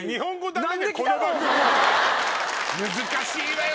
難しいわよ